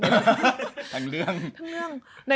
ทั้งเรื่อง